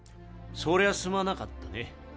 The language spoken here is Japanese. そりゃすまなかったね。